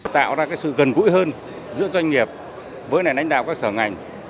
tạo ra sự gần gũi hơn giữa doanh nghiệp với ánh đạo các sở ngành